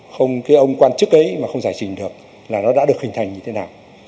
không cái ông quan chức ấy mà không giải trình được là nó đã được hình thành như thế nào